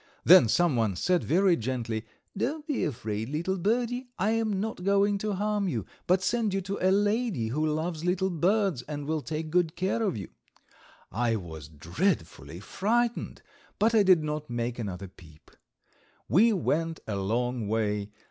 Then someone said very gently: "Don't be afraid, little birdie; I am not going to harm you, but send you to a lady who loves little birds, and will take good care of you." I was dreadfully frightened, but I did not make another peep. We went a long way.